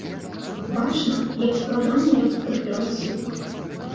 Бачна, як складана яму падбіраць словы.